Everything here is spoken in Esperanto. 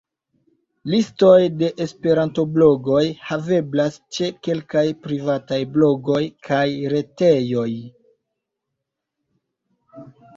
Listoj de esperanto-blogoj haveblas ĉe kelkaj privataj blogoj kaj retejoj.